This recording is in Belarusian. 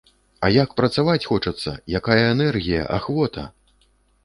А як працаваць хочацца, якая энергія, ахвота!